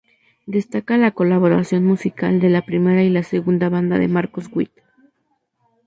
Destaca la colaboración musical de la primera y la segunda banda de Marcos Witt.